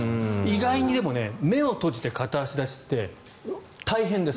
意外にでも目を閉じて片足立ちって大変です。